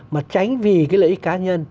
mà tránh vì cái lợi ích cá nhân